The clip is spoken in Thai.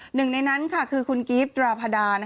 หนึ่งในนั้นคือคุณกิฟต์ตราพดา